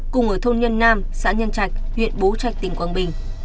cùng ở thôn nhân nam xã nhân trạch huyện bố trạch tp đồng hới